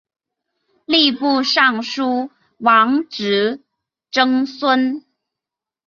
吏部尚书王直曾孙。